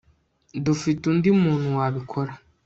Dufite undi muntu wabikora